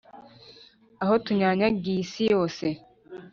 Aho tunyanyagiye isi yose